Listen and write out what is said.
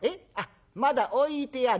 まだ置いてある？